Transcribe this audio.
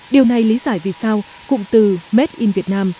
điều này lý giải vì sao cụm từ made in vietnam